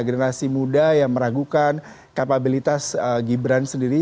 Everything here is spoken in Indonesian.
generasi muda yang meragukan kapabilitas gibran sendiri